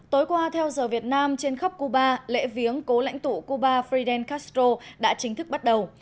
tối qua theo giờ việt nam trên khắp cuba lễ viếng cố lãnh tụ cuba fidel castro đã chính thức bắt đầu